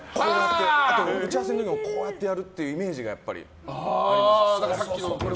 打ち合わせの時もこうやってやるイメージがやっぱりあります。